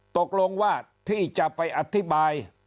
ตกลงว่าที่จะไปอธิบาย